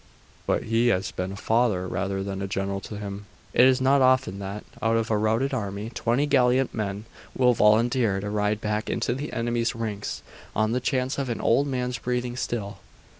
But he has been a father rather than a general to them. It is not often that, out of a routed army, twenty gallant men will volunteer to ride back into the enemy's ranks, on the chance of an old man's breathing still.